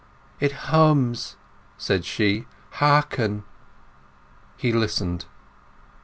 "It hums," said she. "Hearken!" He listened.